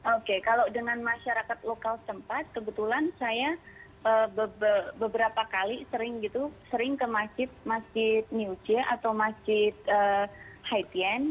oke kalau dengan masyarakat lokal setempat kebetulan saya beberapa kali sering ke masjid new zia atau masjid haitian